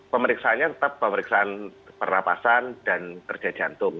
pemeriksaannya tetap pemeriksaan pernapasan dan kerja jantung